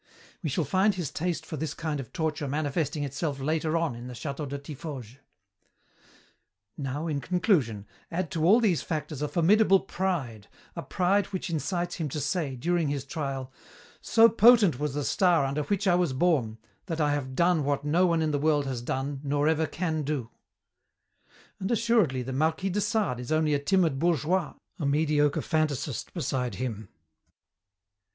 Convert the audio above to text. "We shall find his taste for this kind of torture manifesting itself later on in the château de Tiffauges. "Now, in conclusion, add to all these factors a formidable pride, a pride which incites him to say, during his trial, 'So potent was the star under which I was born that I have done what no one in the world has done nor ever can do.' "And assuredly, the Marquis de Sade is only a timid bourgeois, a mediocre fantasist, beside him!"